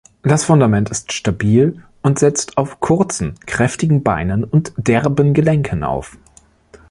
Das Fundament ist stabil und setzt auf kurzen, kräftigen Beinen und derben Gelenken auf.